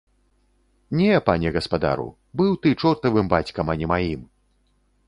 Не, пане гаспадару, быў ты чортавым бацькам, а не маім!